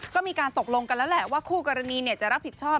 ก็มีการตกลงกันแล้วแหละว่าคู่กรณีจะรับผิดชอบ